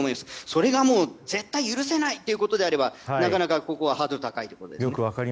それが絶対に許せないのであればなかなかここはハードルが高いということです。